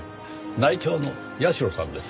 内調の社さんです。